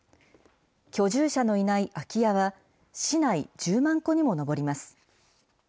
居住者のいない空き家は、市内１０万戸にも上ります。